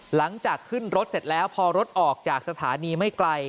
หลังจากขึ้นรถเสร็จแล้วพอรถออกจากสถานีไม่ไกล